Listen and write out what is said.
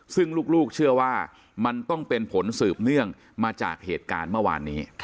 ซึ่งลูกเชื่อว่ามันต้องเป็นผลสืบเนื่องมาจากเหตุการณ์เมื่อวานนี้